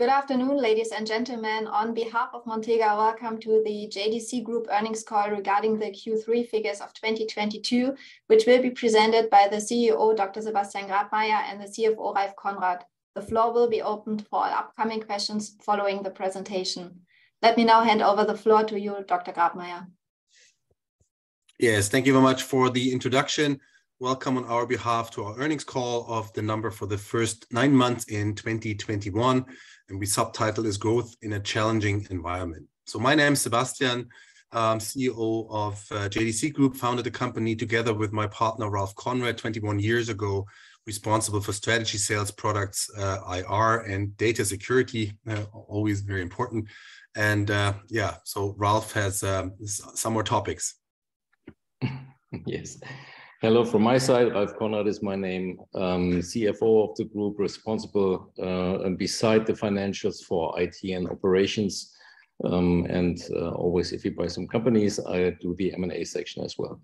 Good afternoon, ladies and gentlemen. On behalf of Montega, welcome to the JDC Group earnings call regarding the Q3 figures of 2022, which will be presented by the CEO, Dr. Sebastian Grabmaier, and the CFO, Ralph Konrad. The floor will be opened for upcoming questions following the presentation. Let me now hand over the floor to you, Dr. Grabmaier. Yes, thank you very much for the introduction. Welcome on our behalf to our earnings call for Q3 for the first nine months in 2021, and we subtitle this Growth in a Challenging Environment. My name is Sebastian. I'm CEO of JDC Group. I founded the company together with my partner Ralph Konrad 21 years ago, responsible for strategy, sales, products, IR, and data security, always very important. Ralph has some more topics. Yes. Hello from my side. Ralph Konrad is my name. I'm CFO of the group, responsible, and besides the financials for IT and operations, and always if you buy some companies, I do the M&A section as well.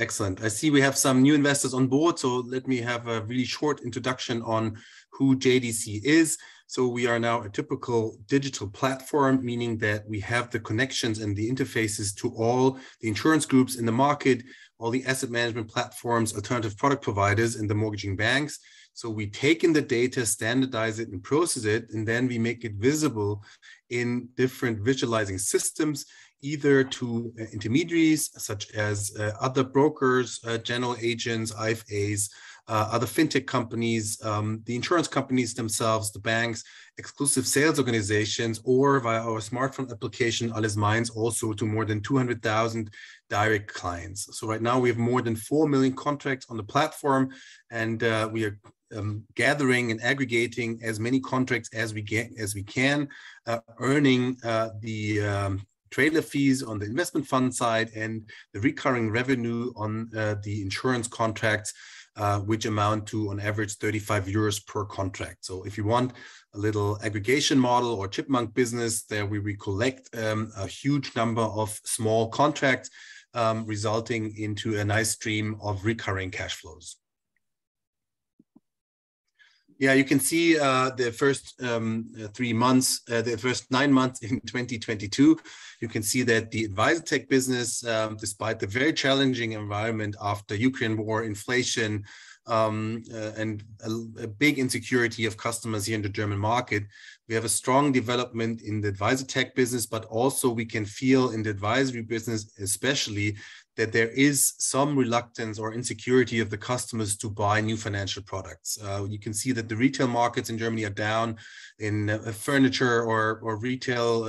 Excellent. I see we have some new investors on board, so let me have a really short introduction on who JDC is. We are now a typical digital platform, meaning that we have the connections and the interfaces to all the insurance groups in the market, all the asset management platforms, alternative product providers, and the mortgaging banks. We take in the data, standardize it, and process it, and then we make it visible in different visualizing systems, either to intermediaries such as other brokers, general agents, IFAs, other fintech companies, the insurance companies themselves, the banks, exclusive sales organizations, or via our smartphone application, Allesmeins, also to more than 200,000 direct clients. Right now, we have more than 4 million contracts on the platform and we are gathering and aggregating as many contracts as we can, earning the trailer fees on the investment fund side and the recurring revenue on the insurance contracts, which amount to on average 35 euros per contract. If you want a little aggregation model or chipmunk business there, we collect a huge number of small contracts, resulting into a nice stream of recurring cash flows. You can see the first three months, the first nine months in 2022. You can see that the AdvisorTech business, despite the very challenging environment after Ukraine war, inflation, and a big insecurity of customers here in the German market, we have a strong development in the AdvisorTech business. Also we can feel in the advisory business especially that there is some reluctance or insecurity of the customers to buy new financial products. You can see that the retail markets in Germany are down in furniture or retail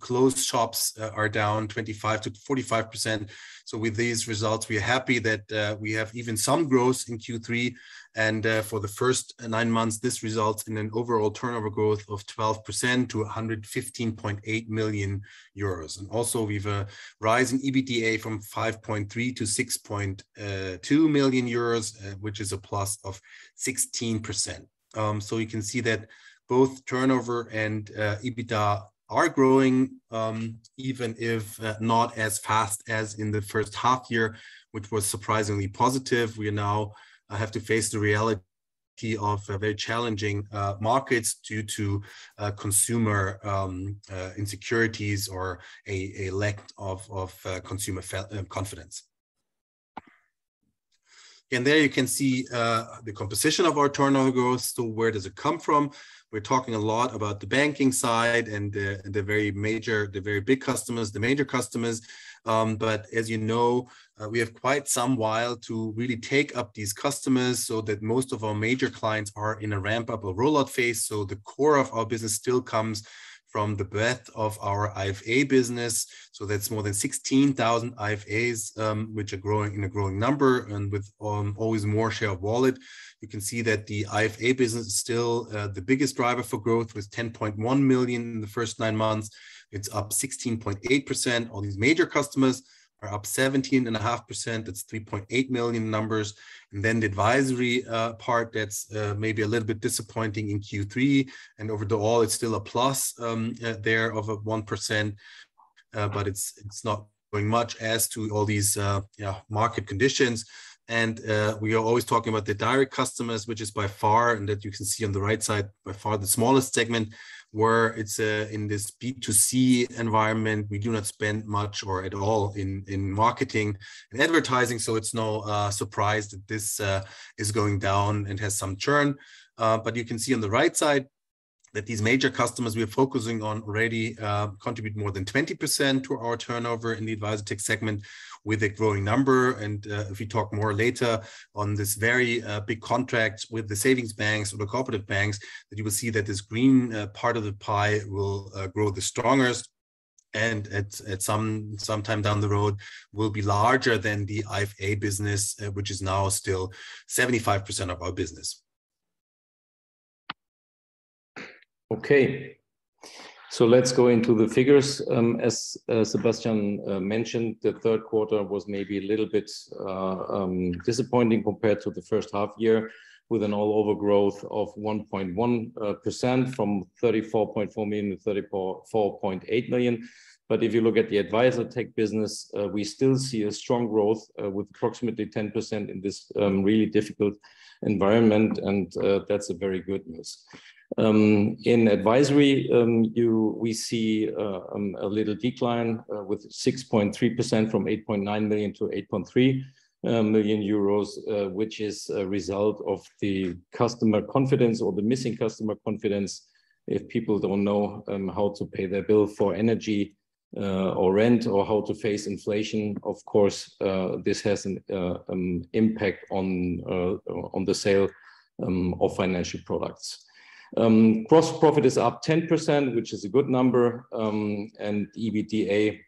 clothes shops 25%-45%. With these results, we're happy that we have even some growth in Q3. For the first nine months, this results in an overall turnover growth of 12% to 115.8 million euros. Also we've a rising EBITDA from 5.3 million to 6.2 million euros, which is a plus of 16%. You can see that both turnover and EBITDA are growing, even if not as fast as in the first half year, which was surprisingly positive. We now have to face the reality of very challenging markets due to consumer insecurities or a lack of consumer confidence. There you can see the composition of our turnover growth. Where does it come from? We're talking a lot about the banking side and the very major, the very big customers, the major customers. As you know, we have quite some way to really take up these customers so that most of our major clients are in a ramp-up or rollout phase. The core of our business still comes from the breadth of our IFA business. That's more than 16,000 IFAs, which are growing, in a growing number and with always more share of wallet. You can see that the IFA business is still the biggest driver for growth with 10.1 million in the first nine months. It's up 16.8%. All these major customers are up 17.5%. That's 3.8 million numbers. The advisory part that's maybe a little bit disappointing in Q3. Overall, it's still a plus 1%, but it's not doing much as to all these, you know, market conditions. We are always talking about the direct customers, which is by far, and that you can see on the right side, by far the smallest segment, where it's in this B2C environment, we do not spend much or at all in marketing and advertising. It's no surprise that this is going down and has some churn. But you can see on the right side that these major customers we are focusing on already contribute more than 20% to our turnover in the AdvisorTech segment with a growing number. If we talk more later on this very big contract with the savings banks or the cooperative banks, that you will see that this green part of the pie will grow the strongest and at some time down the road will be larger than the IFA business, which is now still 75% of our business. Okay, let's go into the figures. As Sebastian mentioned, the third quarter was maybe a little bit disappointing compared to the first half year, with an overall growth of 1.1% from 34.4 million to 34.8 million. If you look at the AdvisorTech business, we still see a strong growth with approximately 10% in this really difficult environment, and that's a very good news. In advisory, we see a little decline with 6.3% from 8.9 million to 8.3 million euros, which is a result of the customer confidence or the missing customer confidence. If people don't know how to pay their bill for energy, or rent, or how to face inflation, of course, this has an impact on the sale of financial products. Gross profit is up 10%, which is a good number. EBITDA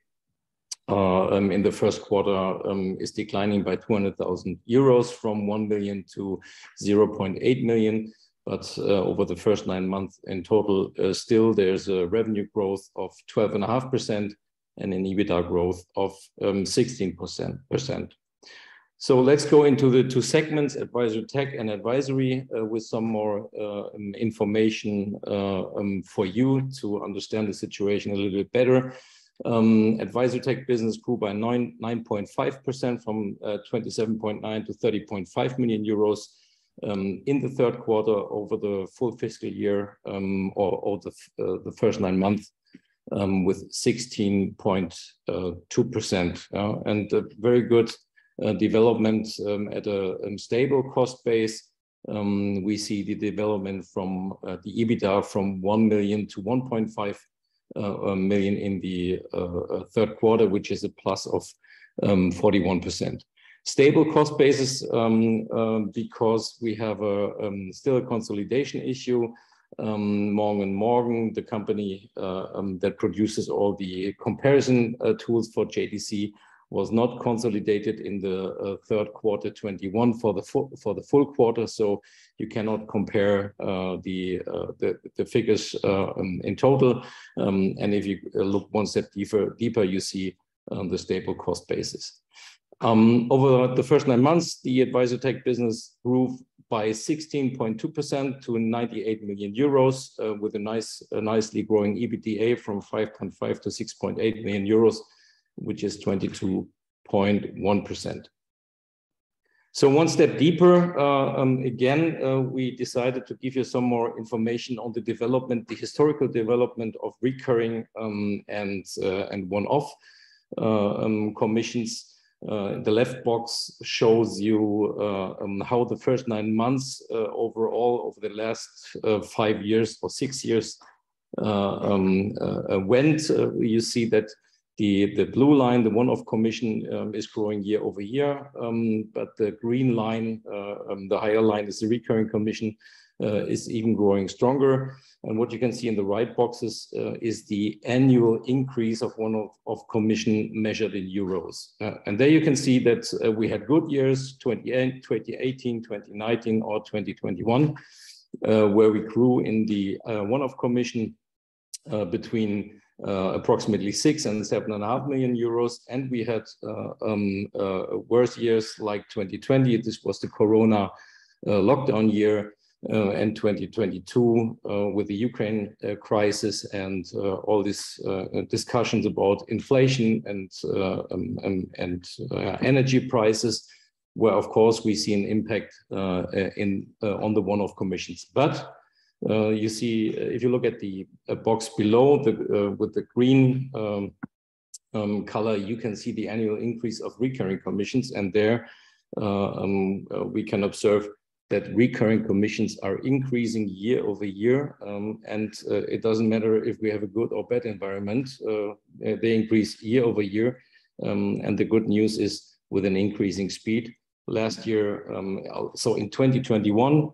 in the first quarter is declining by 200,000 euros from 1 million to 0.8 million. Over the first nine months in total, still there's a revenue growth of 12.5% and an EBITDA growth of 16%. Let's go into the two segments, AdvisorTech and advisory, with some more information for you to understand the situation a little bit better. AdvisorTech business grew by 9.5% from 27.9 million to 30.5 million euros in the third quarter over the full fiscal year or the first nine months with 16.2%. A very good development at a stable cost base. We see the development from the EBITDA from 1 million to 1.5 million in the third quarter, which is a plus of 41%. Stable cost basis because we have still a consolidation issue. MORGEN & MORGEN, the company that produces all the comparison tools for JDC was not consolidated in the third quarter 2021 for the full quarter, so you cannot compare the figures in total. If you look one step deeper, you see the stable cost basis. Over the first nine months, the AdvisorTech business grew by 16.2% to 98 million euros, with a nicely growing EBITDA from 5.5 million to 6.8 million euros, which is 22.1%. One step deeper, again, we decided to give you some more information on the development, the historical development of recurring and one-off commissions. The left box shows you how the first nine months overall of the last five years or six years went. You see that the blue line, the one-off commission, is growing year-over-year. The green line, the higher line is the recurring commission, is even growing stronger. What you can see in the right boxes is the annual increase of one-off commission measured in euros. There you can see that we had good years, 2018, 2019 or 2021, where we grew in the one-off commission between approximately 6 million-7.5 million euros. We had worse years like 2020. This was the corona lockdown year and 2022 with the Ukraine crisis and all this discussions about inflation and energy prices, where of course we see an impact on the one-off commissions. You see, if you look at the box below with the green color, you can see the annual increase of recurring commissions. There we can observe that recurring commissions are increasing year-over-year. It doesn't matter if we have a good or bad environment, they increase year-over-year. The good news is with an increasing speed. Last year in 2021,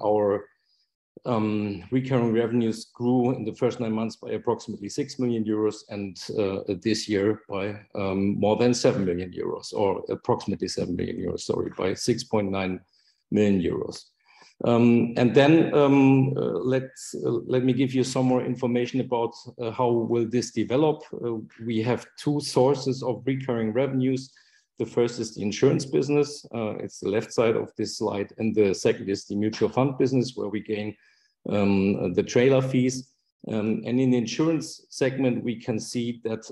our recurring revenues grew in the first nine months by approximately 6 million euros and this year by more than 7 million euros, or approximately 7 million euros, sorry, by 6.9 million euros. Let me give you some more information about how will this develop. We have two sources of recurring revenues. The first is the insurance business, it's the left side of this slide, and the second is the mutual fund business, where we gain the trailer fees. In the insurance segment, we can see that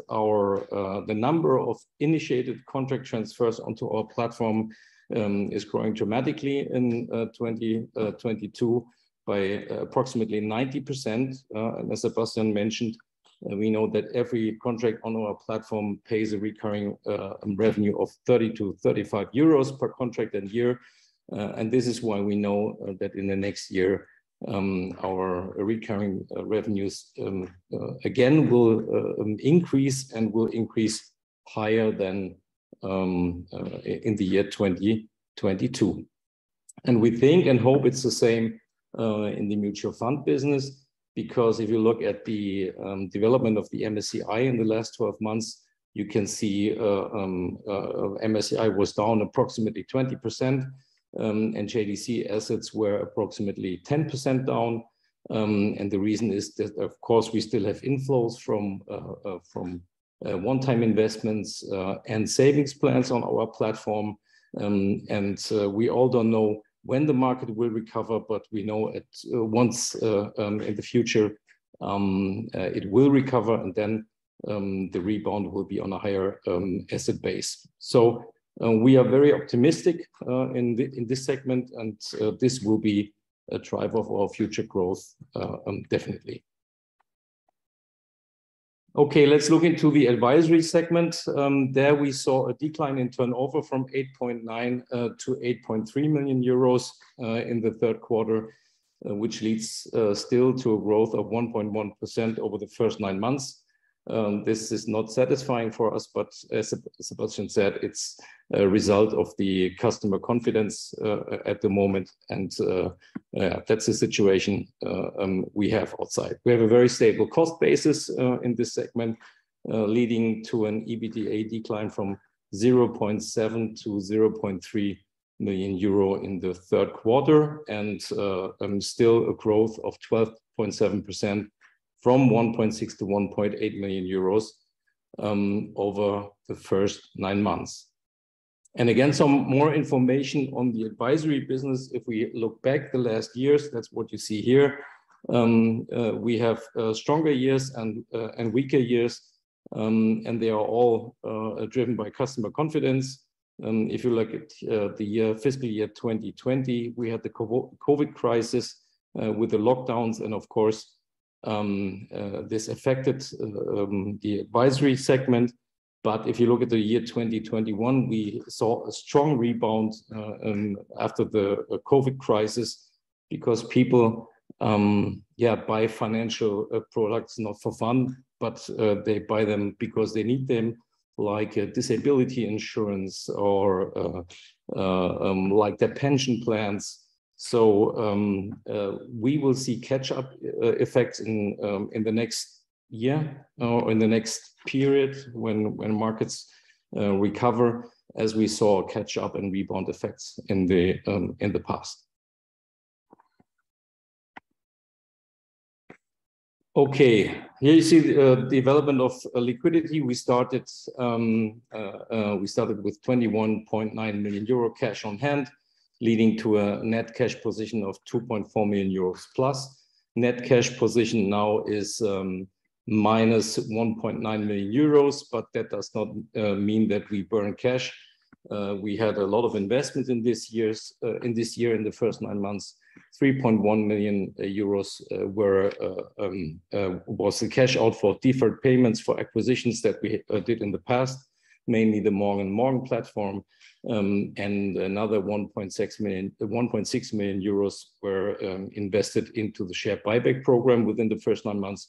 the number of initiated contract transfers onto our platform is growing dramatically in 2022 by approximately 90%. As Sebastian mentioned, we know that every contract on our platform pays a recurring revenue of 30-35 euros per contract and year. This is why we know that in the next year, our recurring revenues again will increase and will increase higher than in the year 2022. We think and hope it's the same in the mutual fund business, because if you look at the development of the MSCI in the last 12 months, you can see MSCI was down approximately 20% and JDC assets were approximately 10% down. The reason is that, of course, we still have inflows from one-time investments and savings plans on our platform. We all don't know when the market will recover, but we know that once in the future it will recover, and then the rebound will be on a higher asset base. We are very optimistic in this segment and this will be a driver for our future growth, definitely. Okay, let's look into the advisory segment. There we saw a decline in turnover from 8.9 million to 8.3 million euros in the third quarter, which leads still to a growth of 1.1% over the first nine months. This is not satisfying for us, but as Sebastian said, it's a result of the customer confidence at the moment, and that's the situation we have outside. We have a very stable cost basis in this segment leading to an EBITDA decline from 0.7 million to 0.3 million euro in the third quarter, and still a growth of 12.7% from 1.6 million to 1.8 million euros over the first nine months. Again, some more information on the advisory business, if we look back the last years, that's what you see here. We have stronger years and weaker years, and they are all driven by customer confidence. If you look at the year, fiscal year 2020, we had the COVID crisis with the lockdowns and, of course, this affected the advisory segment. If you look at the year 2021, we saw a strong rebound after the COVID crisis because people buy financial products not for fun, but they buy them because they need them like a disability insurance or like their pension plans. We will see catch-up effects in the next year or in the next period when markets recover, as we saw catch-up and rebound effects in the past. Okay. Here you see the development of liquidity. We started with 21.9 million euro cash on hand, leading to a net cash position of 2.4 million euros plus. Net cash position now is minus 1.9 million euros, but that does not mean that we burn cash. We had a lot of investments this year in the first nine months. 3.1 million euros was the cash out for deferred payments for acquisitions that we did in the past, mainly the MORGEN & MORGEN platform. Another 1.6 million was invested into the share buyback program within the first nine months.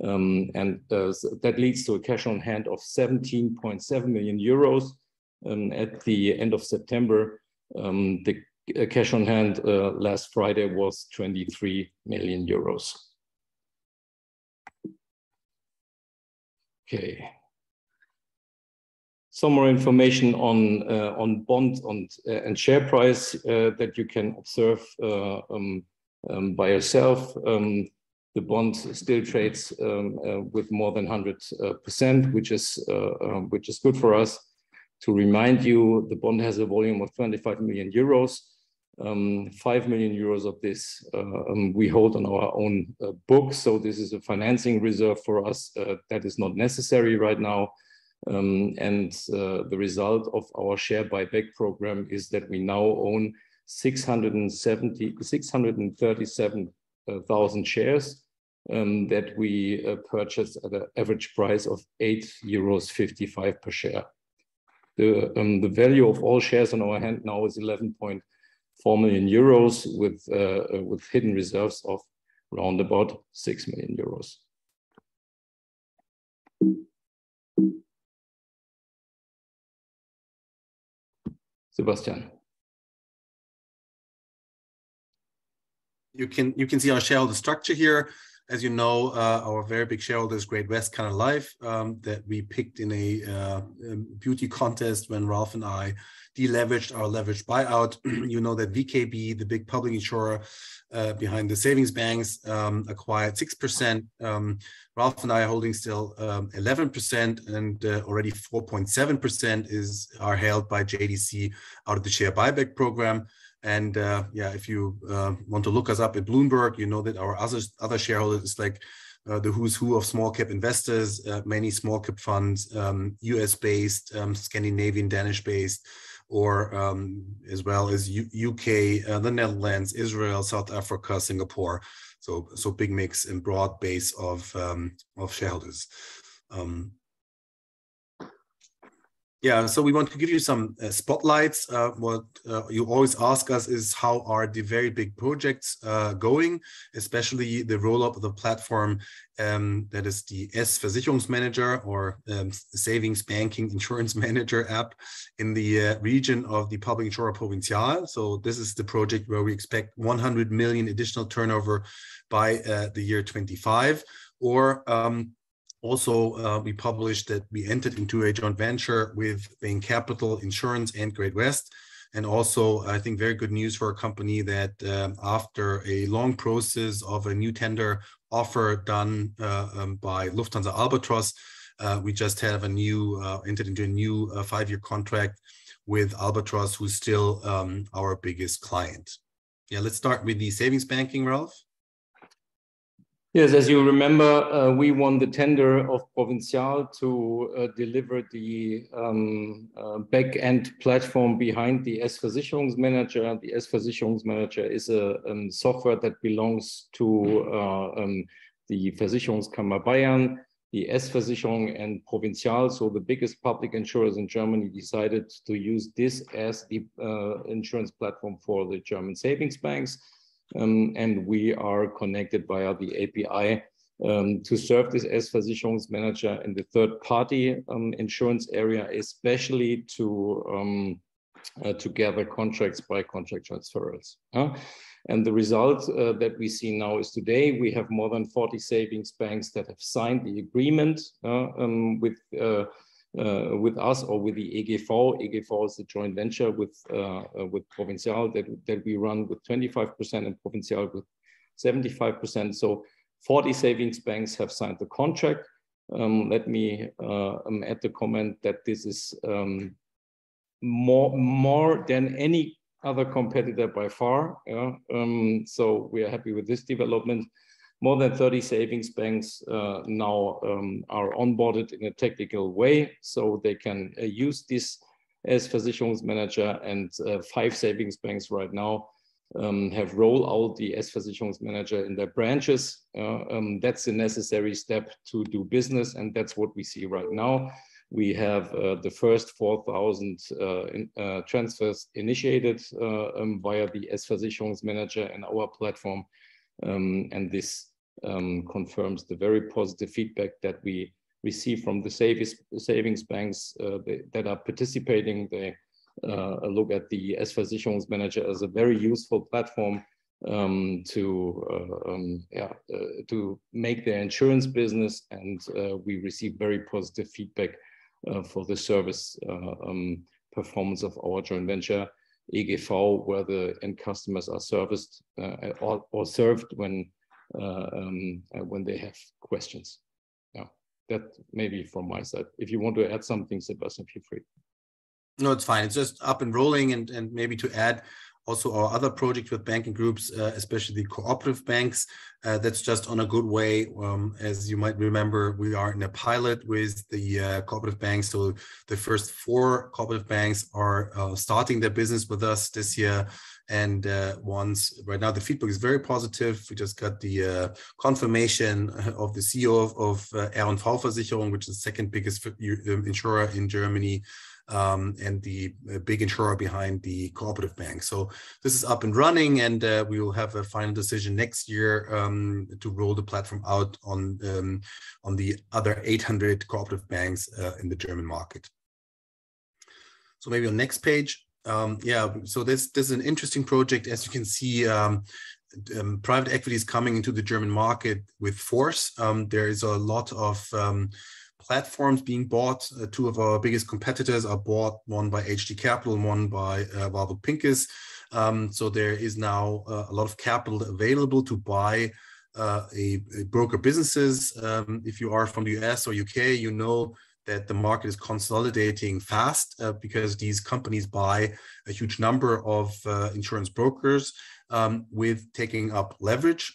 That leads to cash on hand of 17.7 million euros. At the end of September, the cash on hand last Friday was 23 million euros. Some more information on bonds and share price that you can observe by yourself. The bond still trades with more than 100%, which is good for us. To remind you, the bond has a volume of 25 million euros. 5 million euros of this we hold on our own book. This is a financing reserve for us that is not necessary right now. The result of our share buyback program is that we now own 637,000 shares that we purchased at an average price of 8.55 euros per share. The value of all shares in our hands now is 11.4 million euros with hidden reserves of around about 6 million euros. Sebastian. You can see our shareholder structure here. As you know, our very big shareholder is Great-West Lifeco, that we picked in a beauty contest when Ralph and I deleveraged our leveraged buyout. You know that VKB, the big public insurer behind the savings banks, acquired 6%. Ralph and I are holding still 11%, and already 4.7% are held by JDC out of the share buyback program. If you want to look us up at Bloomberg, you know that our other shareholders, like the who's who of small cap investors, many small cap funds, U.S.-based, Scandinavian, Danish-based, or as well as U.K., the Netherlands, Israel, South Africa, Singapore. Big mix and broad base of shareholders. We want to give you some spotlights. What you always ask us is how are the very big projects going, especially the roll-up of the platform that is the S-Versicherungsmanager or Savings Bank Insurance Manager app in the region of the public insurer Provinzial. This is the project where we expect 100 million additional turnover by the year 2025. Also we published that we entered into a joint venture with Bain Capital Insurance and Great-West Lifeco. Also, I think very good news for our company that after a long process of a new tender offer done by Lufthansa Albatros we just entered into a new five-year contract with Albatros, who's still our biggest client. Yeah. Let's start with the savings banking, Ralph. Yes. As you remember, we won the tender of Provinzial to deliver the back-end platform behind the S-Versicherungsmanager. The S-Versicherungsmanager is a software that belongs to the Versicherungskammer Bayern, the S-Versicherung, and Provinzial. The biggest public insurers in Germany decided to use this as the insurance platform for the German savings banks. We are connected via the API to serve this S-Versicherungsmanager in the third party insurance area, especially to gather contracts by contract transfers. The result that we see now is today we have more than 40 savings banks that have signed the agreement with us or with the EGV. EGV is the joint venture with Provinzial that we run with 25% and Provinzial with 75%. 40 savings banks have signed the contract. Let me add the comment that this is more than any other competitor by far. We are happy with this development. More than 30 savings banks now are onboarded in a technical way, so they can use this S-Versicherungsmanager and five savings banks right now have rolled out the S-Versicherungsmanager in their branches. That's a necessary step to do business, and that's what we see right now. We have the first 4,000 in transfers initiated via the S-Versicherungsmanager and our platform. This confirms the very positive feedback that we receive from the savings banks that are participating. They look at the S-Versicherungsmanager as a very useful platform to make their insurance business and we receive very positive feedback for the service performance of our joint venture, EGV, where the end customers are serviced or served when they have questions. That maybe from my side. If you want to add something, Sebastian, feel free. No, it's fine. It's just up and rolling and maybe to add also our other project with banking groups, especially the cooperative banks, that's just on a good way. As you might remember, we are in a pilot with the cooperative banks. The first four cooperative banks are starting their business with us this year, and right now, the feedback is very positive. We just got the confirmation of the CEO of ERGO Versicherungen, which is the second biggest insurer in Germany, and the big insurer behind the cooperative bank. This is up and running, and we will have a final decision next year to roll the platform out on the other 800 cooperative banks in the German market. Maybe on next page. Yeah, this is an interesting project. As you can see, private equity is coming into the German market with force. There is a lot of platforms being bought. Two of our biggest competitors are bought, one by Hg and one by Warburg Pincus. There is now a lot of capital available to buy broker businesses. If you are from the U.S. or U.K., you know that the market is consolidating fast, because these companies buy a huge number of insurance brokers with taking up leverage.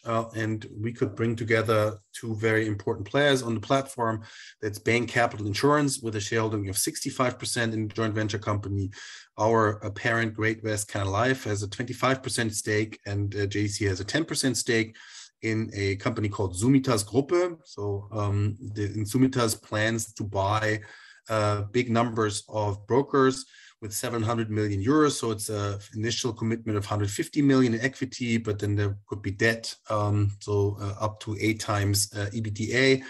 We could bring together two very important players on the platform. That's Bain Capital Insurance with a shareholding of 65% in joint venture company. Our parent, Great-West Lifeco, has a 25% stake, and JDC has a 10% stake in a company called Summitas Gruppe. The Summitas plans to buy big numbers of brokers with 700 million euros. It's an initial commitment of 150 million in equity, but then there could be debt, up to 8x EBITDA.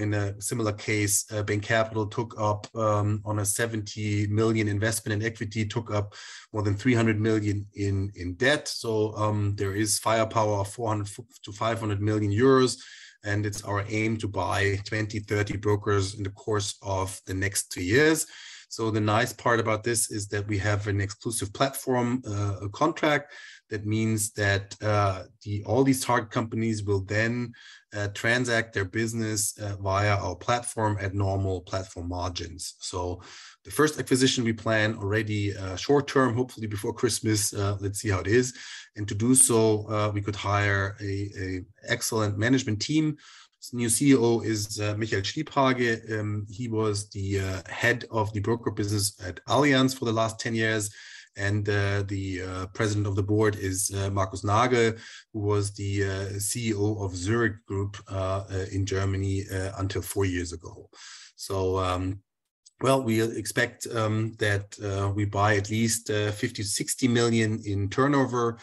In a similar case, Bain Capital took up on a 70 million investment in equity, took up more than 300 million in debt. There is firepower of 400 million-500 million euros, and it's our aim to buy 20, 30 brokers in the course of the next two years. The nice part about this is that we have an exclusive platform contract. That means that all these target companies will then transact their business via our platform at normal platform margins. The first acquisition we plan already short term, hopefully before Christmas, let's see how it is. To do so, we could hire an excellent management team. The new CEO is Michael Schliephake. He was the head of the broker business at Allianz for the last 10 years. The president of the board is Markus Nagel, who was the CEO of Zurich Group in Germany until four years ago. We expect that we buy at least 50 million-60 million in turnover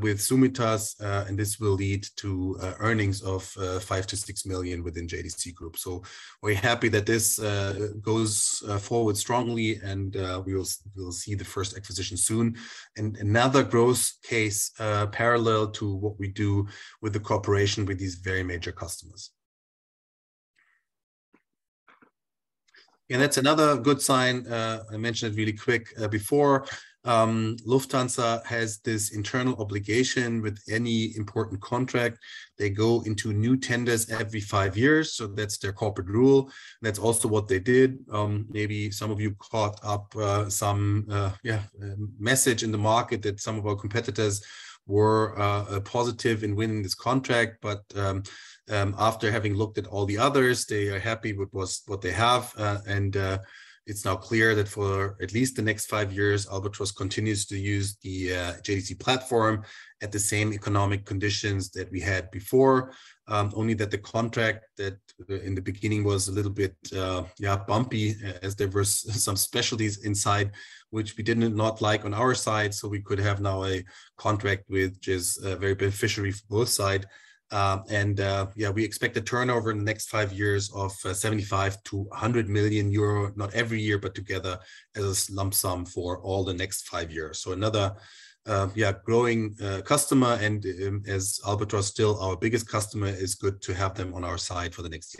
with Summitas and this will lead to earnings of 5 million-6 million within JDC Group. We're happy that this goes forward strongly and we'll see the first acquisition soon. Another growth case parallel to what we do with the cooperation with these very major customers. That's another good sign. I mentioned it really quick before. Lufthansa has this internal obligation with any important contract. They go into new tenders every five years, so that's their corporate rule. That's also what they did. Maybe some of you caught up some message in the market that some of our competitors were positive in winning this contract, but after having looked at all the others, they are happy with what they have. It's now clear that for at least the next five years, Albatros continues to use the JDC platform at the same economic conditions that we had before. Only that the contract in the beginning was a little bit bumpy as there were some specialties inside which we didn't not like on our side, so we could have now a contract which is very beneficial for both sides. We expect a turnover in the next five years of 75 million-100 million euro, not every year, but together as a lump sum for all the next five years. Another growing customer, and as Albatros still our biggest customer, it's good to have them on our side for the next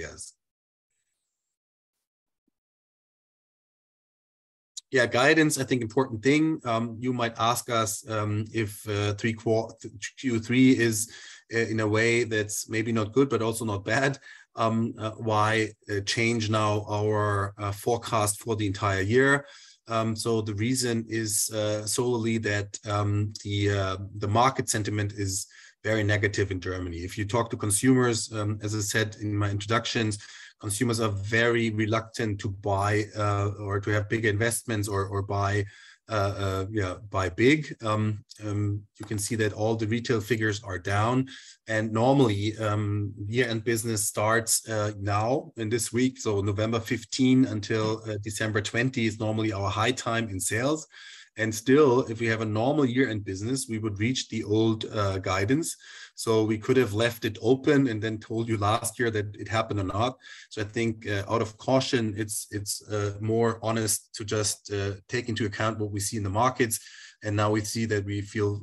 years. Guidance, I think important thing. You might ask us, if Q3 is in a way that's maybe not good, but also not bad, why change now our forecast for the entire year. The reason is solely that the market sentiment is very negative in Germany. If you talk to consumers, as I said in my introductions, consumers are very reluctant to buy or to have big investments or buy big. You can see that all the retail figures are down, and normally year-end business starts now in this week. November 15 until December 20 is normally our high time in sales. Still, if we have a normal year-end business, we would reach the old guidance. We could have left it open and then told you last year that it happened or not. I think out of caution, it's more honest to just take into account what we see in the markets. Now we see that we feel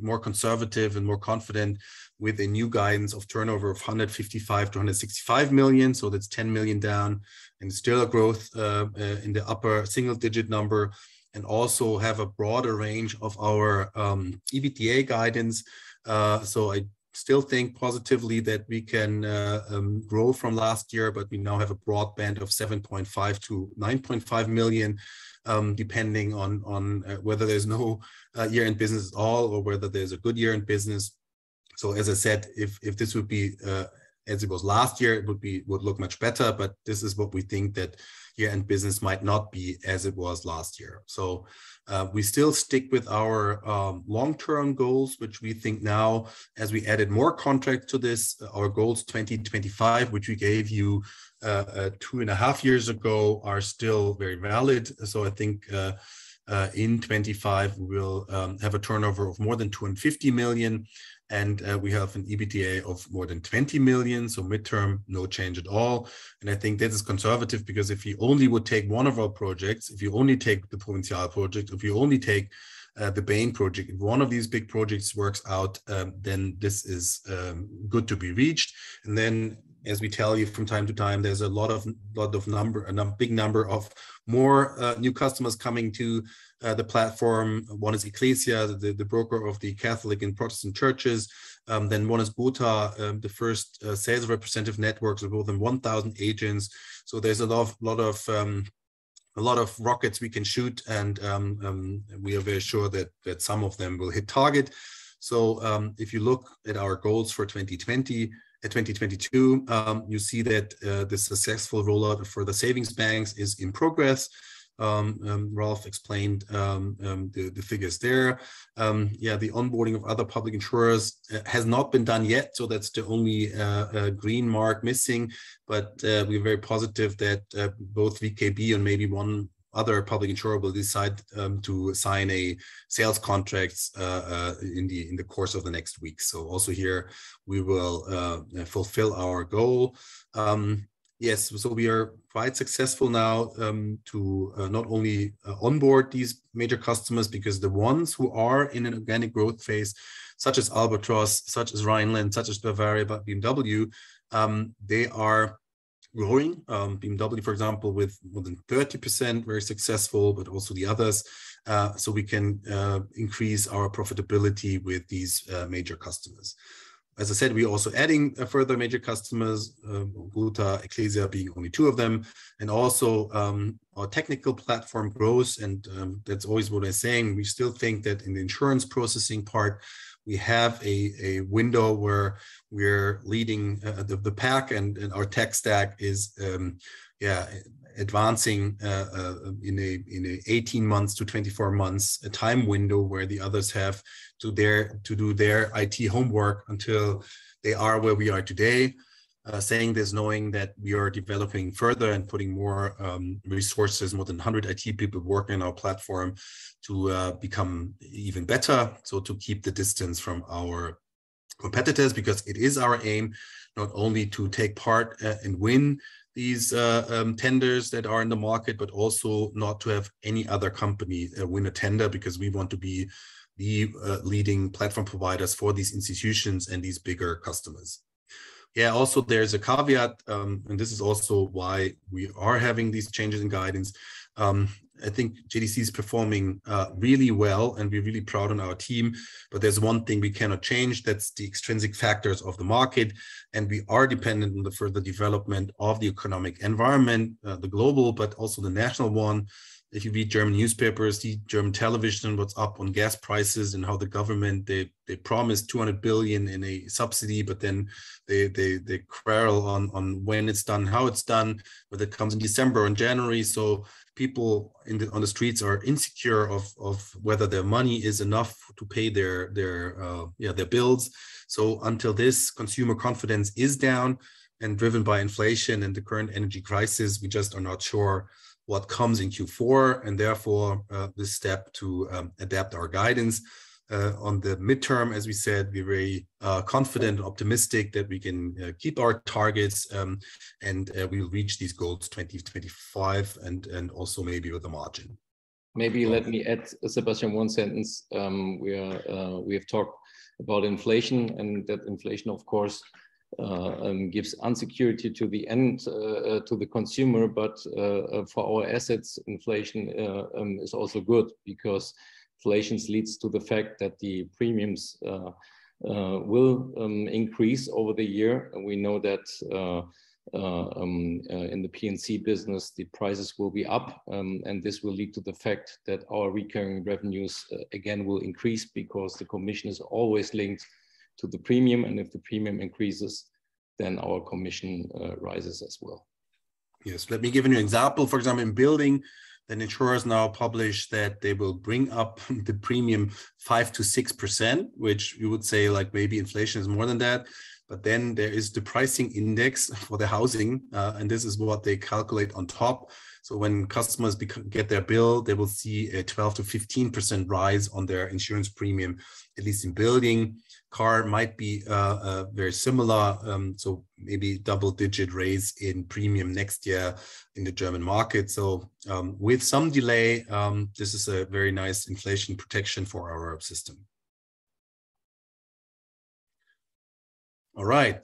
more conservative and more confident with a new guidance of turnover of 155 million to 165 million, so that's 10 million down, and still a growth in the upper single-digit number, and also have a broader range of our EBITDA guidance. I still think positively that we can grow from last year, but we now have a broad band of 7.5 million-9.5 million, depending on whether there's no year-end business at all or whether there's a good year-end business. As I said, if this would be as it was last year, it would look much better. This is what we think that year-end business might not be as it was last year. We still stick with our long-term goals, which we think now as we added more contracts to this, our goals 2025, which we gave you two and a half years ago, are still very valid. I think in 2025, we'll have a turnover of more than 250 million, and we have an EBITDA of more than 20 million. Midterm, no change at all. I think this is conservative because if you only would take one of our projects, if you only take the Provinzial project, if you only take the Bain project, if one of these big projects works out, then this is good to be reached. As we tell you from time to time, there's a lot of a big number of more new customers coming to the platform. One is Ecclesia, the broker of the Catholic and Protestant churches. One is Buta, the first sales representative networks of more than 1,000 agents. There's a lot of rockets we can shoot and we are very sure that some of them will hit target. If you look at our goals for 2020, 2022, you see that the successful rollout for the savings banks is in progress. Ralph Konrad explained the figures there. Yeah, the onboarding of other public insurers has not been done yet, so that's the only green mark missing. We're very positive that both VKB and maybe one other public insurer will decide to sign a sales contract in the course of the next week. Also here we will fulfill our goal. Yes, so we are quite successful now to not only onboard these major customers because the ones who are in an organic growth phase, such as Albatros, such as Rheinland, such as Bavaria, but BMW, they are growing. BMW, for example, with more than 30%, very successful, but also the others. We can increase our profitability with these major customers. As I said, we're also adding further major customers, Bain, Ecclesia being only two of them. Our technical platform grows and that's always what we're saying. We still think that in the insurance processing part, we have a window where we're leading the pack and our tech stack is advancing in an 18-24 months time window where the others have to do their IT homework until they are where we are today. Saying this, knowing that we are developing further and putting more resources, more than 100 IT people working on our platform to become even better, so to keep the distance from our competitors. Because it is our aim not only to take part and win these tenders that are in the market, but also not to have any other company win a tender because we want to be the leading platform providers for these institutions and these bigger customers. Yeah. Also, there's a caveat, and this is also why we are having these changes in guidance. I think JDC is performing really well, and we're really proud of our team, but there's one thing we cannot change, that's the extrinsic factors of the market, and we are dependent on the further development of the economic environment, the global, but also the national one. If you read German newspapers, see German television, what's up with gas prices and how the government they quarrel over when it's done, how it's done, whether it comes in December or in January. People on the streets are insecure about whether their money is enough to pay their bills. Up until this, consumer confidence is down, and driven by inflation and the current energy crisis, we just are not sure what comes in Q4, and therefore, this step to adapt our guidance. On the midterm, as we said, we're very confident and optimistic that we can keep our targets, and we'll reach these goals 2025 and also maybe with a margin. Maybe let me add, Sebastian, one sentence. We have talked about inflation, and inflation, of course, gives uncertainty to the consumer. But for our assets, inflation is also good because inflation leads to the fact that the premiums will increase over the year. We know that in the P&C business, the prices will be up, and this will lead to the fact that our recurring revenues again will increase because the commission is always linked to the premium. If the premium increases, then our commission rises as well. Yes. Let me give you an example. For example, in building, the insurers now publish that they will bring up the premium 5%-6%, which you would say like maybe inflation is more than that. There is the pricing index for the housing, and this is what they calculate on top. When customers get their bill, they will see a 12%-15% rise on their insurance premium, at least in building. Car might be very similar, so maybe double-digit raise in premium next year in the German market. With some delay, this is a very nice inflation protection for our system. All right,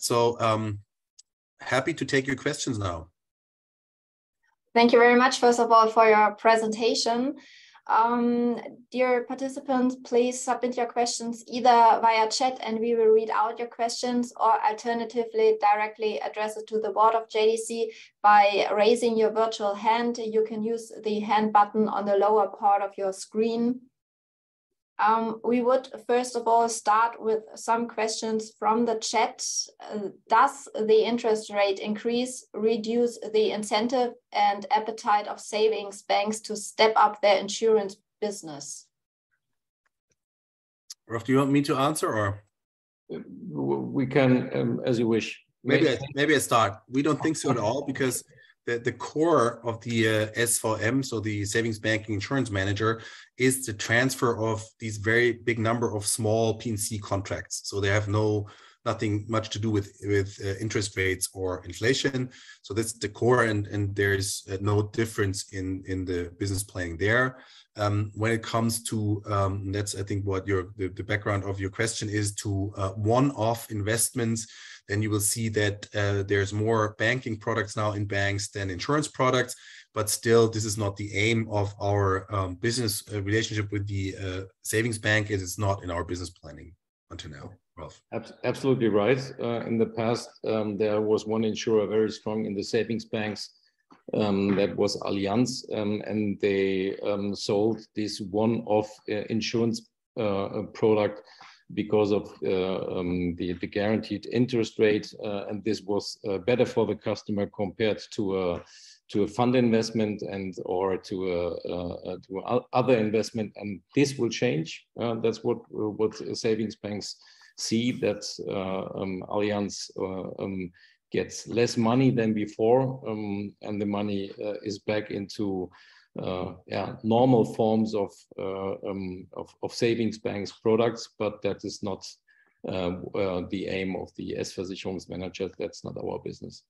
happy to take your questions now. Thank you very much, first of all, for your presentation. Dear participants, please submit your questions either via chat, and we will read out your questions, or alternatively, directly address it to the board of JDC by raising your virtual hand. You can use the hand button on the lower part of your screen. We would first of all start with some questions from the chat. Does the interest rate increase reduce the incentive and appetite of savings banks to step up their insurance business? Ralph, do you want me to answer or? We can, as you wish. Maybe I start. We don't think so at all because the core of the S-Versicherungsmanager, so the Savings Bank Insurance Manager, is the transfer of these very big number of small P&C contracts. They have nothing much to do with interest rates or inflation. That's the core and there is no difference in the business planning there. When it comes to and that's I think what the background of your question is to one-off investments, then you will see that there's more banking products now in banks than insurance products. Still, this is not the aim of our business relationship with the savings bank and it's not in our business planning until now, Ralph. Absolutely right. In the past, there was one insurer very strong in the savings banks, that was Allianz, and they sold this one-off insurance product because of the guaranteed interest rate. This was better for the customer compared to a fund investment or to other investment and this will change. That's what savings banks see, that Allianz gets less money than before, and the money is back into normal forms of savings banks products. That is not the aim of the S-Versicherungsmanager. That's not our business.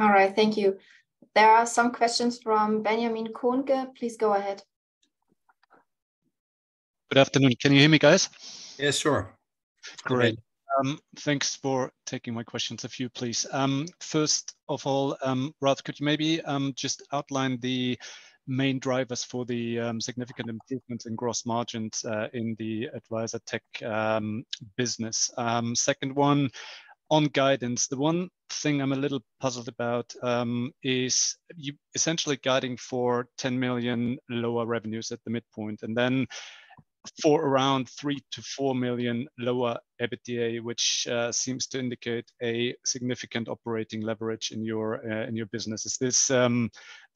All right. Thank you. There are some questions from Benjamin Kunke. Please go ahead. Good afternoon. Can you hear me, guys? Yes, sure. Great. Thanks for taking my questions, a few please. First of all, Ralph, could you maybe just outline the main drivers for the significant improvements in gross margins in the AdvisorTech business? Second one, on guidance, the one thing I'm a little puzzled about is you're essentially guiding for 10 million lower revenues at the midpoint, and then for around 3 million-4 million lower EBITDA, which seems to indicate a significant operating leverage in your business. Is this the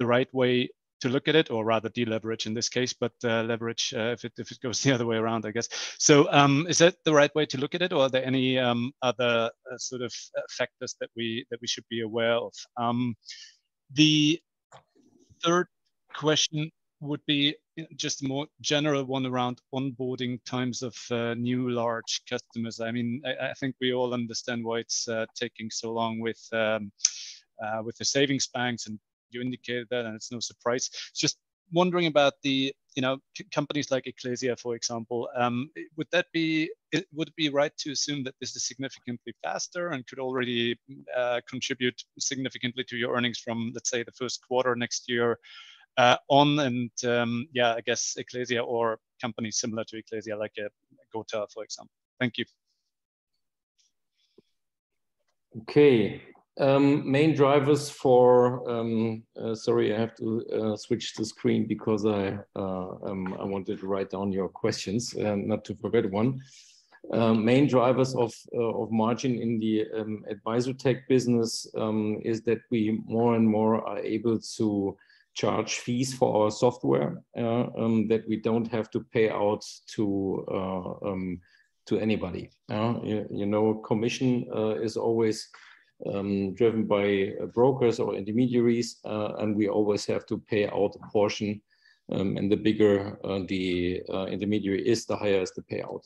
right way to look at it, or rather deleverage in this case, but leverage if it goes the other way around, I guess. Is that the right way to look at it, or are there any other sort of factors that we should be aware of? The third question would be just a more general one around onboarding times of new large customers. I mean, I think we all understand why it's taking so long with the savings banks, and you indicated that and it's no surprise. Just wondering about the, you know, companies like Ecclesia, for example. Would it be right to assume that this is significantly faster and could already contribute significantly to your earnings from, let's say, the first quarter next year, on, and yeah, I guess Ecclesia or companies similar to Ecclesia like Gothaer, for example. Thank you. Okay. Sorry, I have to switch the screen because I wanted to write down your questions not to forget one. Main drivers of margin in the AdvisorTech business is that we more and more are able to charge fees for our software that we don't have to pay out to anybody. You know, commission is always driven by brokers or intermediaries, and we always have to pay out a portion, and the bigger the intermediary is, the higher is the payout.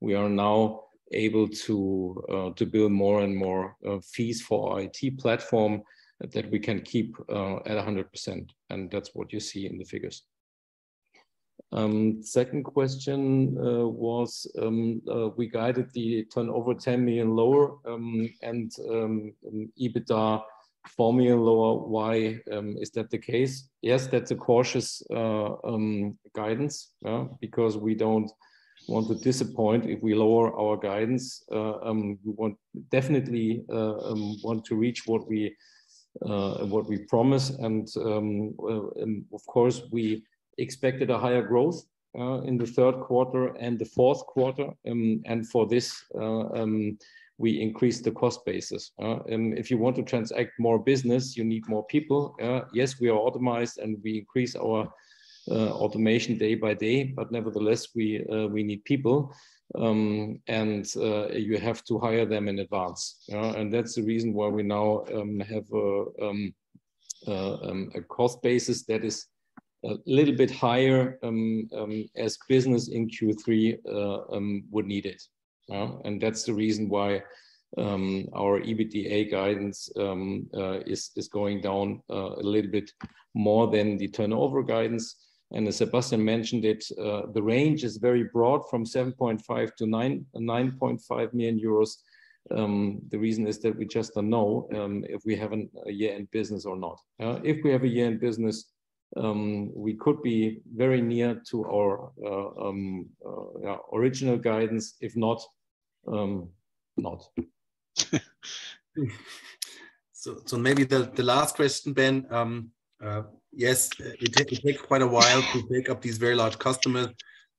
We are now able to build more and more fees for our IT platform that we can keep at 100%, and that's what you see in the figures. Second question was we guided the turnover 10 million lower, and EBITDA 4 million lower. Why is that the case? Yes, that's a cautious guidance because we don't want to disappoint if we lower our guidance. We definitely want to reach what we promise and, of course, we expected a higher growth in the third quarter and the fourth quarter, and for this, we increased the cost basis. If you want to transact more business, you need more people. Yes, we are automated and we increase our automation day by day, but nevertheless, we need people, and you have to hire them in advance, and that's the reason why we now have a cost basis that is a little bit higher, as business in Q3 would need it, and that's the reason why our EBITDA guidance is going down a little bit more than the turnover guidance. As Sebastian mentioned it, the range is very broad, from 7.5 million to 9.5 million euros. The reason is that we just don't know if we have a year in business or not. If we have a year in business, we could be very near to our original guidance. If not. Maybe the last question, Ben. Yes, it take quite a while to make up these very large customers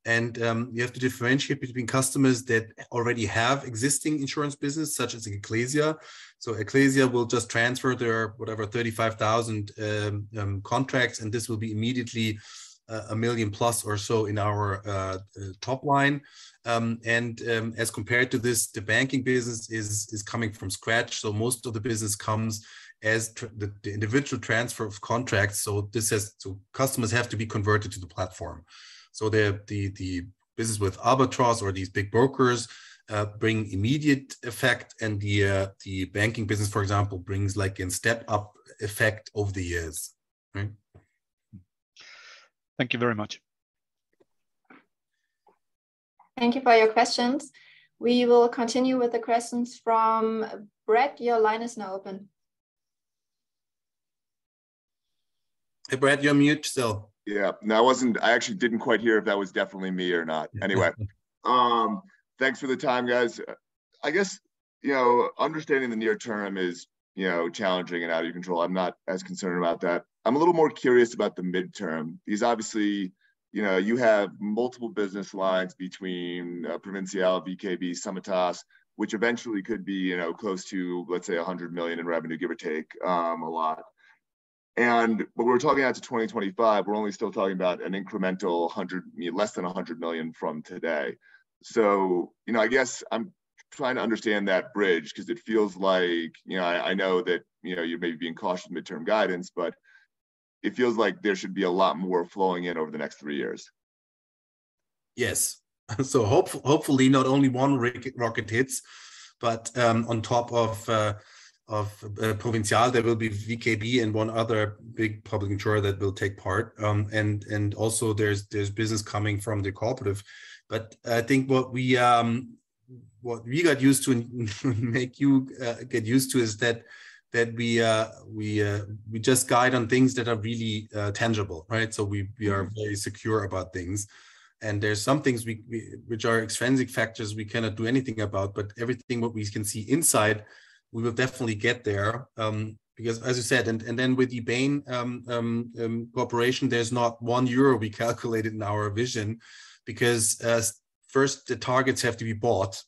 and you have to differentiate between customers that already have existing insurance business, such as Ecclesia. Ecclesia will just transfer their whatever 35,000 contracts, and this will be immediately a 1 million plus or so in our top line. As compared to this, the banking business is coming from scratch, so most of the business comes as the individual transfer of contracts, so customers have to be converted to the platform. The business with Albatros or these big brokers bring immediate effect, and the banking business, for example, brings like a step-up effect over the years, right? Thank you very much. Thank you for your questions. We will continue with the questions from Brett. Your line is now open. Hey, Brett, you're on mute still. No, I actually didn't quite hear if that was definitely me or not. Anyway. Thanks for the time, guys. I guess, you know, understanding the near term is, you know, challenging and out of your control. I'm not as concerned about that. I'm a little more curious about the midterm. These obviously. You know, you have multiple business lines between Provinzial, VKB, Summitas, which eventually could be, you know, close to, let's say, 100 million in revenue, give or take, a lot. When we're talking out to 2025, we're only still talking about an incremental 100 million, you know, less than 100 million from today. You know, I guess I'm trying to understand that bridge because it feels like. You know, I know that, you know, you may be being cautious midterm guidance, but it feels like there should be a lot more flowing in over the next three years. Yes. Hopefully, not only one rocket hits, but on top of Provinzial, there will be VKB and one other big public insurer that will take part. Also there's business coming from the cooperative. I think what we got used to and make you get used to is that we just guide on things that are really tangible. Right? We are very secure about things. There's some things which are extrinsic factors we cannot do anything about. Everything what we can see inside, we will definitely get there, because as I said. Then with the Bain Capital, there's not EUR one we calculated in our vision because first the targets have to be bought.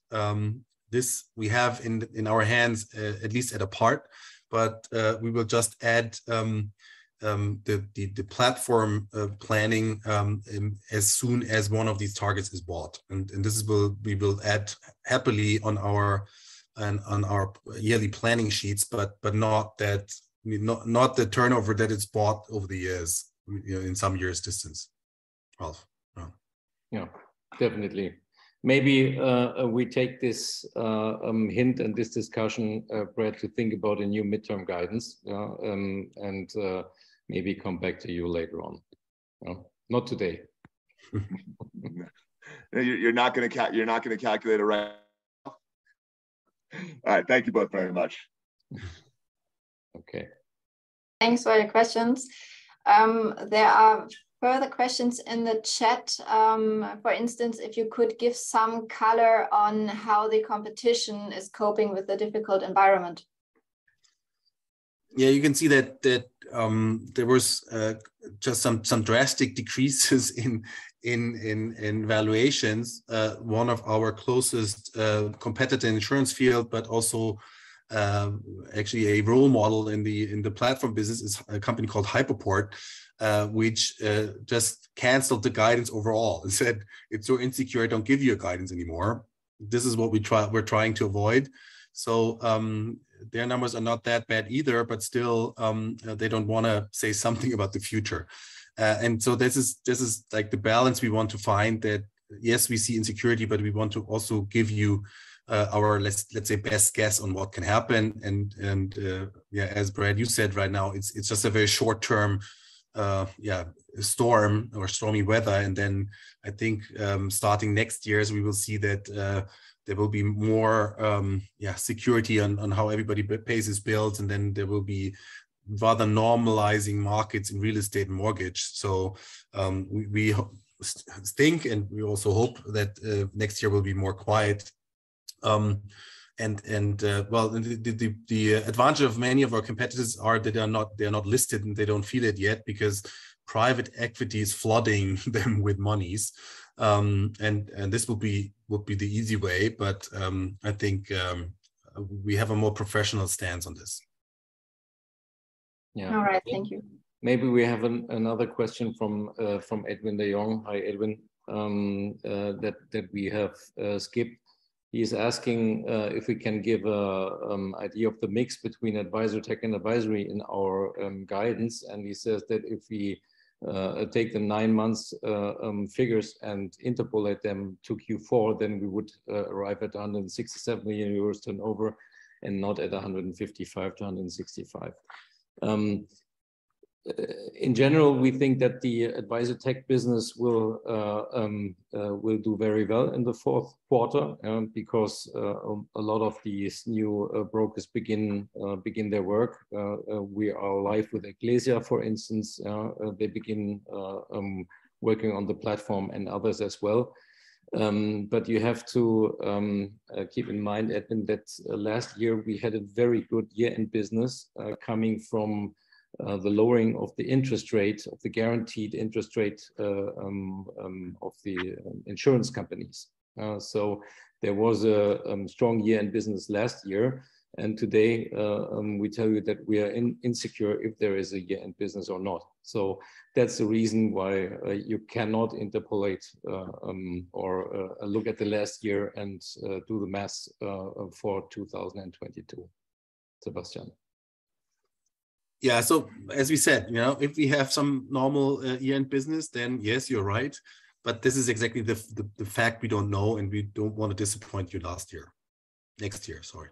This we have in our hands, at least in part. We will just add the platform planning as soon as one of these targets is bought. We will add happily on our yearly planning sheets, but not the turnover that it's bought over the years, you know, in some years distance. Ralph? Yeah, definitely. Maybe we take this hint and this discussion, Brett, to think about a new midterm guidance, and maybe come back to you later on. Not today. You're not gonna calculate around? All right, thank you both very much. Okay. Thanks for your questions. There are further questions in the chat. For instance, if you could give some color on how the competition is coping with the difficult environment. Yeah. You can see that there was just some drastic decreases in valuations. One of our closest competitor insurance field, but also actually a role model in the platform business is a company called Hypoport, which just canceled the guidance overall and said, "It's so insecure, I don't give you a guidance anymore." This is what we're trying to avoid. Their numbers are not that bad either, but still, they don't wanna say something about the future. This is, like, the balance we want to find that, yes, we see insecurity, but we want to also give you our best guess on what can happen. As Brad said right now, it's just a very short term, yeah, storm or stormy weather. I think starting next year, we will see that there will be more security on how everybody pays its bills, and there will be rather normalizing markets in real estate and mortgage. We think and we also hope that next year will be more quiet. Well, the advantage of many of our competitors are that they are not listed, and they don't feel it yet because private equity is flooding them with monies. This will be the easy way. I think we have a more professional stance on this. All right. Thank you. Maybe we have another question from from Edwin de Jong. Hi, Edwin. That we have skipped. He's asking if we can give an idea of the mix between AdvisorTech and Advisory in our guidance, and he says that if we take the nine months figures and interpolate them to Q4, then we would arrive at 167 million euros turnover and not at 155 million-165 million. In general, we think that the AdvisorTech business will do very well in the fourth quarter, because a lot of these new brokers begin their work. We are live with Ecclesia, for instance. They begin working on the platform and others as well. You have to keep in mind, Edwin, that last year we had a very good year in business, coming from the lowering of the interest rate, of the guaranteed interest rate, of the insurance companies. There was a strong year in business last year, and today we tell you that we are unsure if there is a year in business or not. That's the reason why you cannot interpolate or look at the last year and do the math for 2022. Sebastian? As we said, you know, if we have some normal year in business, then yes, you're right. This is exactly the fact we don't know, and we don't want to disappoint you last year. Next year, sorry.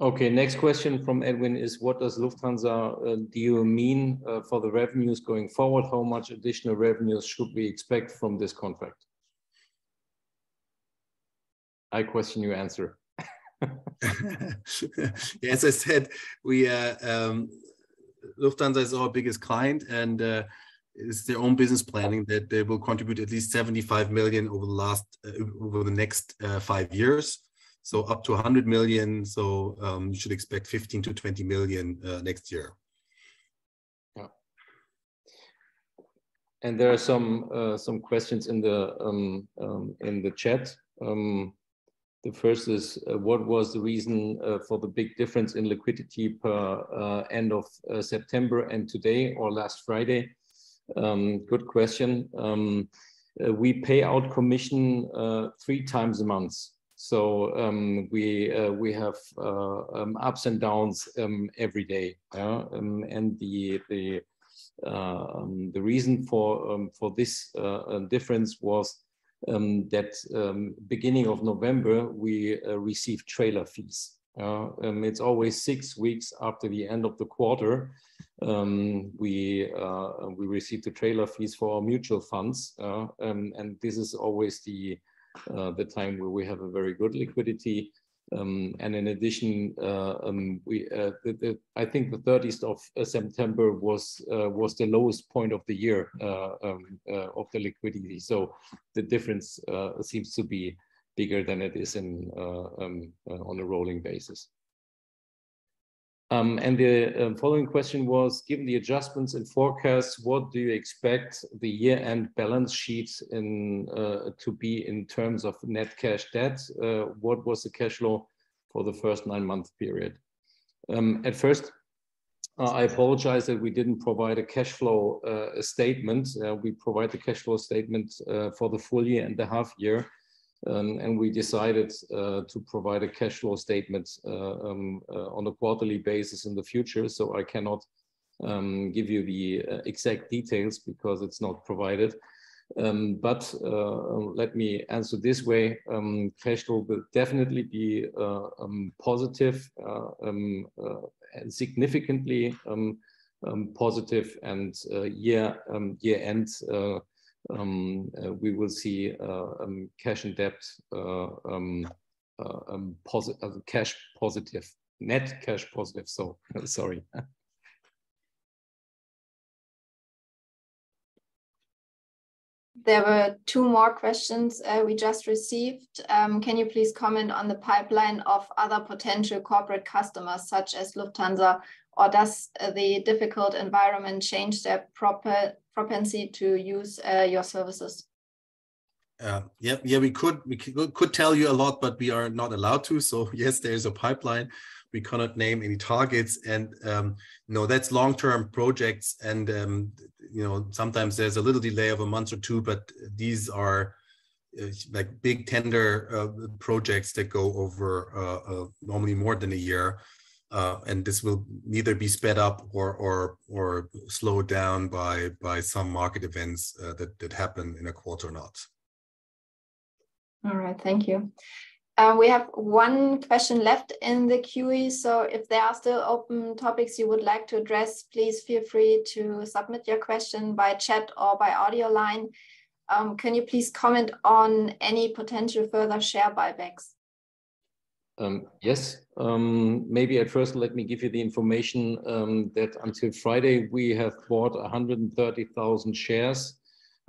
Okay. Next question from Edwin is: What does Lufthansa deal mean for the revenues going forward? How much additional revenues should we expect from this contract? I question your answer. As I said, we, Lufthansa is our biggest client, and, it's their own business planning that they will contribute at least 75 million over the next five years. Up to 100 million, so you should expect 15 million-20 million next year. Yeah. There are some questions in the chat. The first is: What was the reason for the big difference in liquidity at the end of September and today or last Friday? Good question. We pay out commission three times a month. We have ups and downs every day. The reason for this difference was that beginning of November, we received trailer fees. It's always six weeks after the end of the quarter, we receive the trailer fees for our mutual funds. This is always the time where we have a very good liquidity. In addition, I think the 30th of September was the lowest point of the year of the liquidity. The difference seems to be bigger than it is on a rolling basis. The following question was. Given the adjustments in forecasts, what do you expect the year-end balance sheets to be in terms of net cash debt? What was the cash flow for the first nine month period? At first, I apologize that we didn't provide a cash flow statement. We provide the cash flow statement for the full year and the half year. We decided to provide a cash flow statement on a quarterly basis in the future, so I cannot give you the exact details because it's not provided. Let me answer this way. Cash flow will definitely be significantly positive and year ends we will see cash and debt cash positive. Net cash positive, sorry. There were two more questions we just received. Can you please comment on the pipeline of other potential corporate customers such as Lufthansa, or does the difficult environment change their propensity to use your services? Yeah, we could tell you a lot, but we are not allowed to. Yes, there is a pipeline. We cannot name any targets. You know, that's long-term projects and, you know, sometimes there's a little delay of a month or two, but these are, like, big tender projects that go over normally more than a year. This will neither be sped up or slowed down by some market events that happen in a quarter or not. All right. Thank you. We have one question left in the QA, so if there are still open topics you would like to address, please feel free to submit your question by chat or by audio line. Can you please comment on any potential further share buybacks? Yes. Maybe at first, let me give you the information that until Friday we have bought 130,000 shares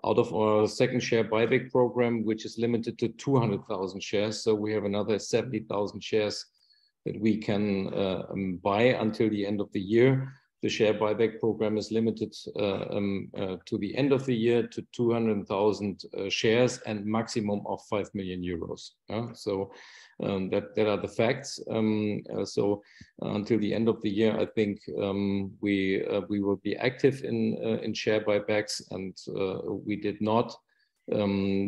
out of our second share buyback program, which is limited to 200,000 shares. We have another 70,000 shares that we can buy until the end of the year. The share buyback program is limited to the end of the year to 200,000 shares and maximum of 5 million euros. That are the facts. Until the end of the year, I think, we will be active in share buybacks and we did not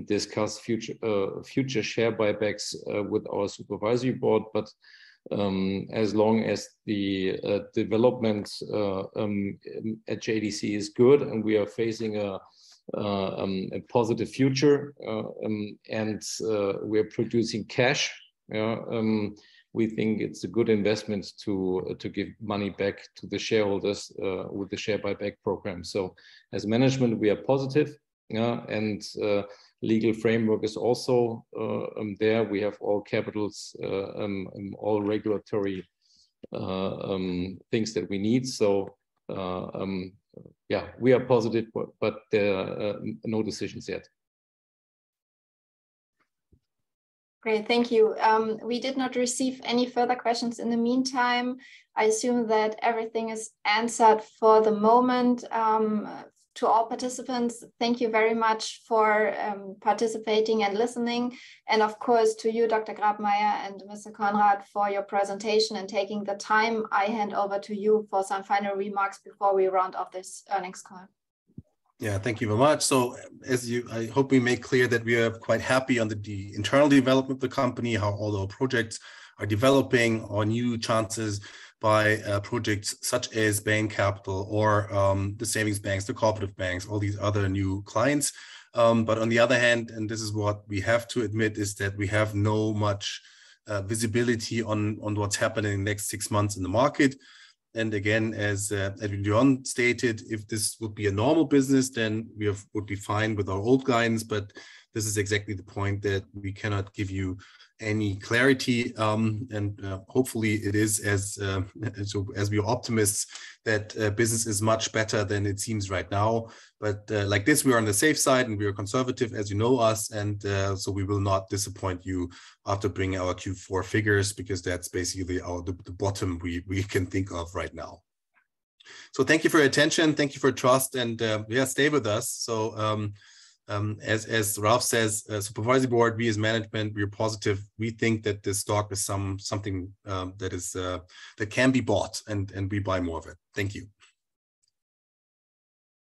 discuss future share buybacks with our supervisory board. As long as the development at JDC is good and we are facing a positive future and we're producing cash, you know, we think it's a good investment to give money back to the shareholders with the share buyback program. As management, we are positive, you know, and legal framework is also there. We have all capitals, all regulatory things that we need. Yeah, we are positive but there are no decisions yet. Great. Thank you. We did not receive any further questions in the meantime. I assume that everything is answered for the moment. To all participants, thank you very much for participating and listening and of course to you, Dr. Grabmaier and Mr. Konrad for your presentation and taking the time. I hand over to you for some final remarks before we round off this earnings call. Yeah. Thank you very much. I hope we made clear that we are quite happy on the the internal development of the company, how all our projects are developing, our new chances by projects such as Bain Capital or the savings banks, the cooperative banks, all these other new clients. On the other hand, this is what we have to admit, is that we have not much visibility on what's happening in the next six months in the market. Again, as Edwin stated, if this would be a normal business, then would be fine with our old guidance. This is exactly the point that we cannot give you any clarity. Hopefully it is as so as we are optimists that business is much better than it seems right now. Like this, we are on the safe side, and we are conservative, as you know us, and so we will not disappoint you after bringing our Q4 figures because that's basically the bottom we can think of right now. Thank you for your attention, thank you for your trust, and yeah, stay with us. As Ralph says, supervisory board, we as management, we are positive. We think that this stock is something that is that can be bought and we buy more of it. Thank you.